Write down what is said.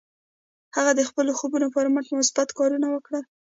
هغه د خپلو خوبونو پر مټ مثبت کارونه وکړل